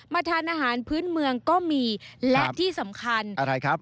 ทานอาหารพื้นเมืองก็มีและที่สำคัญอะไรครับ